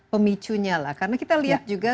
pemicunya lah karena kita lihat juga